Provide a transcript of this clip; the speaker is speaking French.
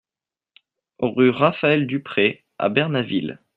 Rue Raphaël Duprez à Bernaville